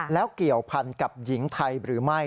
แล้วเกี่ยวพันกับหญิงไทยหรือไม่